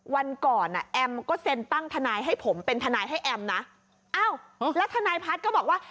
วันก่อนอ่ะแอมก็เซ็นตั้งทนายให้ผมเป็นทนายให้แอมนะอ้าวแล้วทนายพัฒน์ก็บอกว่า